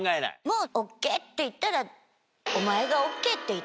もうＯＫって言ったら。